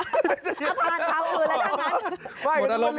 ถ้าผ่านเท้าอื่นแล้วอย่างนั้น